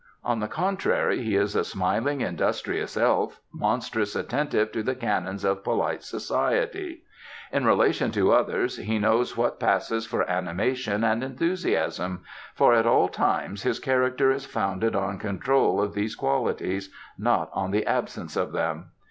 On the contrary, he is a smiling industrious elf, monstrous attentive to the canons of polite society. In relation to others, he shows what passes for animation and enthusiasm; for at all times his character is founded on control of these qualities, not on the absence of them.